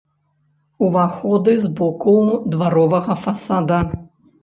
Уваходы з боку дваровага фасада.